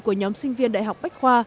của nhóm sinh viên đại học bách khoa